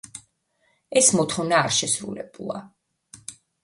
ეს მოთხოვნა არ შესრულებულა.